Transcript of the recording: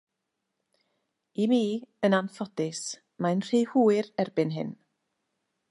I mi, yn anffodus, mae'n rhy hwyr erbyn hyn.